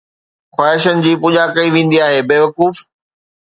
خواهشن جي پوڄا ڪئي ويندي آهي ’بيوقوف‘